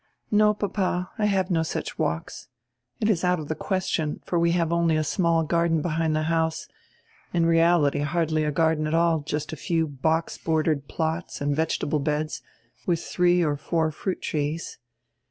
"No, papa, I have no such walks. It is out of the ques tion, for we have only a small garden behind the house, in reality hardly a garden at all, just a few box bordered plots and vegetable beds with three or four fruit trees.